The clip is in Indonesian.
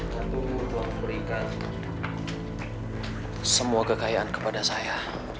ratu ratu memberikan semua kekayaan kepada saya